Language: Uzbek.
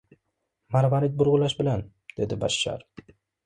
— Marvarid burg‘ulash bilan, — dedi Bashshar.